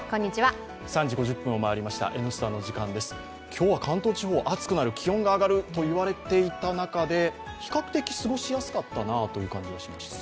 今日は関東地方は暑くなる、気温が上がるといわれていた中で比較的過ごしやすかったなという感じがしました。